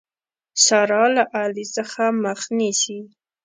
سارا له علي څخه مخ نيسي.